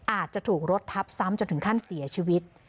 อาจจะถูกรถทับซ้ำจนถึงขั้นเสียชีวิต